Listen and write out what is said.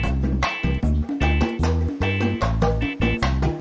bagaimana sih ini